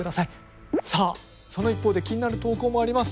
さあその一方で気になる投稿もあります。